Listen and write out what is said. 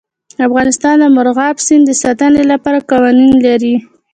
افغانستان د مورغاب سیند د ساتنې لپاره قوانین لري.